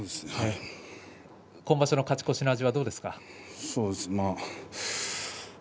今場所の勝ち越しの味はどうですか。